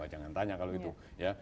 jangan tanya kalau itu ya